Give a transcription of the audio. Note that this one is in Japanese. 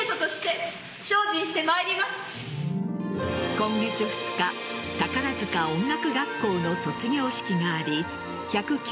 今月２日宝塚音楽学校の卒業式があり１０９